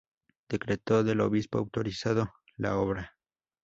Decreto del obispo autorizando la obra.